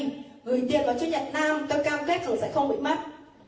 gửi tiền vào cho nhật nam tôi cam kết rằng sẽ không bị mất